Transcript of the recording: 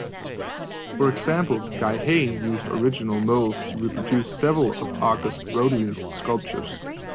For example, Guy Hain used original molds to reproduce several of Auguste Rodin's sculptures.